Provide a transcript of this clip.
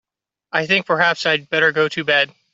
I think perhaps I'd better go to bed.